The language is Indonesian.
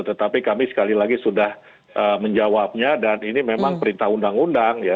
tetapi kami sekali lagi sudah menjawabnya dan ini memang perintah undang undang ya